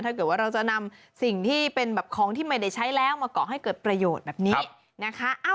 ถ้าเกิดว่าเราจะนำสิ่งที่เป็นแบบของที่ไม่ได้ใช้แล้วมาเกาะให้เกิดประโยชน์แบบนี้นะคะ